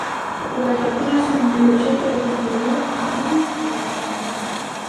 Porque as vacinas son o mellor xeito de contribuír á fin das restricións.